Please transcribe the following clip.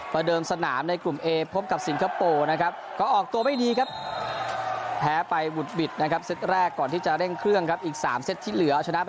ก็มันคงไม่ได้ขนาดนั้นนะคะใช่